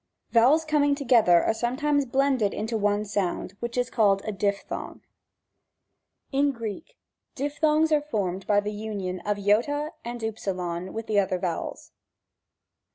Vowels coming together are sometimes blended into one sound, which is called a diphthong. 4. In Greek, diphthongs are formed by the union of I and V with the other vowels.